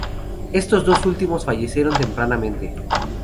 Estos dos últimos fallecieron tempranamente.